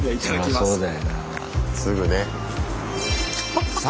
すぐね。